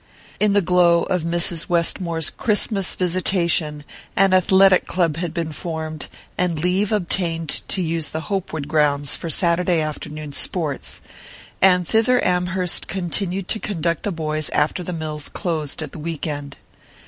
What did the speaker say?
In the glow of Mrs. Westmore's Christmas visitation an athletic club had been formed, and leave obtained to use the Hopewood grounds for Saturday afternoon sports; and thither Amherst continued to conduct the boys after the mills closed at the week end.